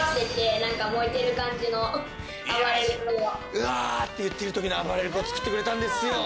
うわって言っているときのあばれる君を作ってくれたんですよ。